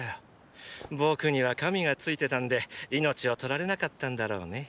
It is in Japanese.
僕には神が付いてたんで命を取られなかったんだろうね。